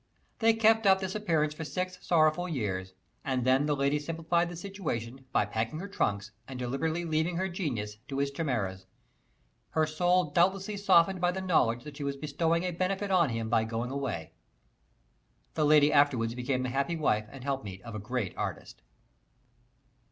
They kept up this appearance for six sorrowful years, and then the lady simplified the situation by packing her trunks and deliberately leaving her genius to his chimeras; her soul doubtless softened by the knowledge that she was bestowing a benefit on him by going away. The lady afterwards became the happy wife and helpmeet of a great artist.